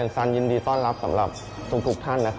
สมัยนี้ไทยโบราณมันหาทานยาก